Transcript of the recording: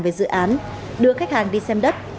về dự án đưa khách hàng đi xem đất